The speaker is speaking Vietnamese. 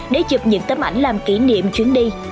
để chụp những tấm ảnh làm kỷ niệm chuyến đi